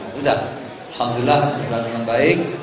sudah alhamdulillah berjalan dengan baik